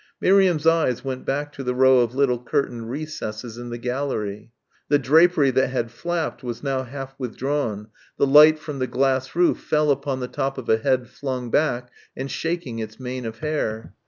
Miriam's eyes went back to the row of little curtained recesses in the gallery. The drapery that had flapped was now half withdrawn, the light from the glass roof fell upon the top of a head flung back and shaking its mane of hair.